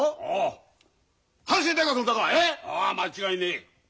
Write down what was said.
ああ間違いねえ。